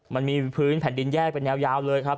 มันมีพื้นแผ่นดินแยกเป็นแนวยาวเลยครับ